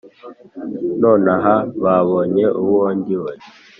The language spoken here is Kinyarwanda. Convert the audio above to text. nonaha babonye uwo ndiwe,